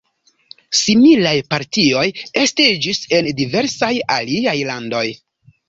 Similaj partioj estiĝis en diversaj aliaj landoj.